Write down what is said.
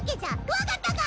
分かったか！